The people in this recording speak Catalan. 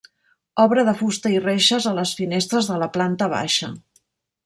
Obra de fusta i reixes a les finestres de la planta baixa.